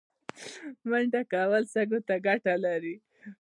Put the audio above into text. منډه کول سږو ته ګټه لري